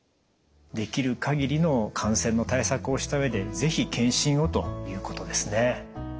できるかぎりの感染の対策をした上で是非検診をということですね。